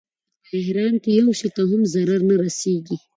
په احرام کې یو شي ته هم ضرر نه رسېږي.